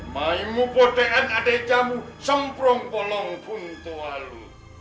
maimu bodean adik kamu semprong polong pun tua lu